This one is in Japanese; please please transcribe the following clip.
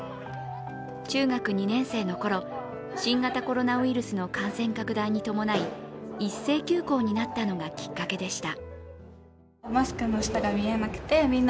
中学２年生のころ、新型コロナウイルスの感染拡大に伴い一斉休校になったのがきっかけでした。